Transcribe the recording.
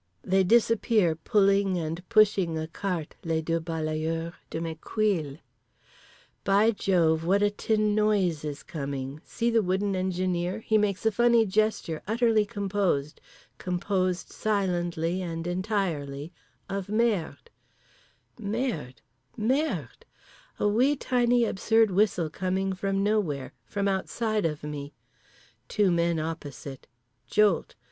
_ They disappear, pulling and pushing a cart les deux balayeurs … de mes couilles … by Jove what a tin noise is coming, see the wooden engineer, he makes a funny gesture utterly composed (composed silently and entirely) of merde. Merde! Merde. A wee tiny absurd whistle coming from nowhere, from outside of me. Two men opposite. Jolt.